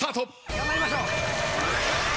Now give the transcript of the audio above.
頑張りましょう。